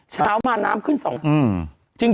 เช้ามาน้ำขึ้น๒น้ำ